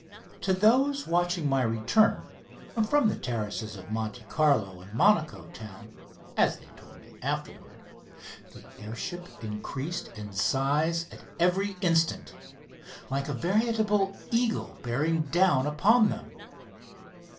To those watching my return, from the terraces of Monte Carlo and Monaco town, as they told me afterwards, the air ship increased in size at every instant, like a veritable eagle bearing down upon them.